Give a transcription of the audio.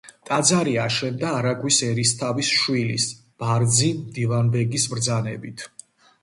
ტაძარი აშენდა არაგვის ერისთავის შვილის ბარძიმ მდივანბეგის ბრძანებით.